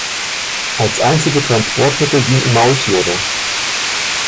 Als einzige Transportmittel dienten Maultiere.